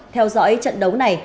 theo dõi trận đấu này